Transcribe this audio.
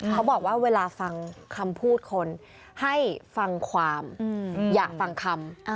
เขาบอกว่าเวลาฟังคำพูดคนให้ฟังความอยากฟังคำ